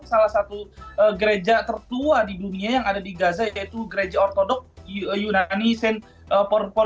salah satu gereja tertua di dunia yang ada di gaza yaitu gereja ortodok yunani shen porpol